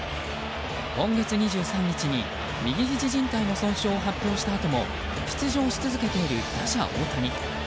今月２３日に右ひじじん帯の損傷を発表したあとも出場し続けている打者・大谷。